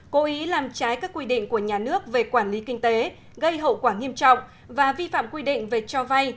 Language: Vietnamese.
cố ý làm trái các quy định của nhà nước về quản lý kinh tế gây hậu quả nghiêm trọng và vi phạm quy định về cho vay